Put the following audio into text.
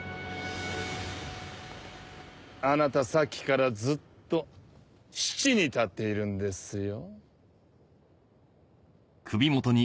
あなたさっきからずっと死地に立っているんですよ？